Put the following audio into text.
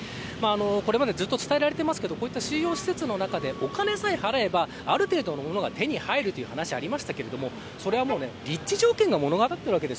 これまでずっと伝えられてますが収容施設の中で、お金さえ払えばある程度のものが手に入るという話がありましたがそれは立地条件が物語っているわけです。